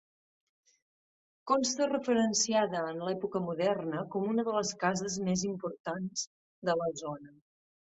Consta referenciada en l'època moderna com una de les cases més importants de la zona.